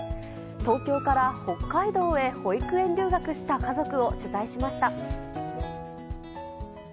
東京から北海道へ保育園留学した家族を取材しました。